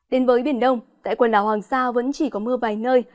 đến với biển đông tại quần đảo hoàng sa vẫn chỉ có mưa vài nơi